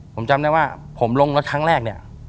ผมจำได้ว่าผมลงรถครั้งแรกเนี่ย